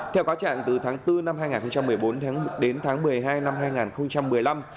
theo cáo trạng từ tháng bốn năm hai nghìn một mươi bốn đến tháng một mươi hai năm hai nghìn một mươi năm